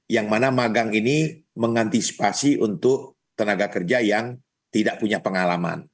yang mana magang ini mengantisipasi untuk tenaga kerja yang tidak punya pengalaman